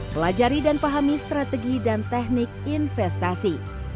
pelajari dan pahami strategi dan teknik investasi